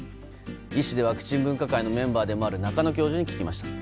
医師でワクチン分科会のメンバーでもある中野教授に聞きました。